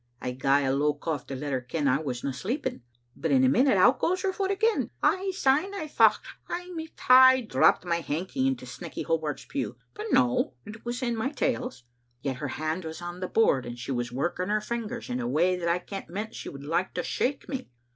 I gae a low cough to let her ken I wasna sleep ing, but in a minute out goes her foot again. Ay, syne I thocht I micht hae dropped my hanky into Snecky Hobart's pew, but no, it was in my tails. Yet her hand was on the board, and she was working her fingers in a way that I kent meant she would like to shake me.